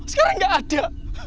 sekarang nggak ada